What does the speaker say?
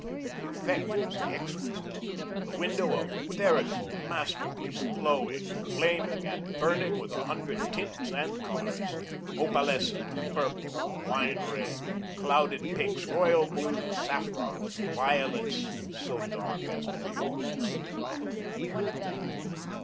The effect was exquisite, the window a veritable masterpiece, glowing, flaming, and burning with a hundred tints and colours opalescent, purple, wine red, clouded pinks, royal blues, saffrons, violets so dark as to be almost black.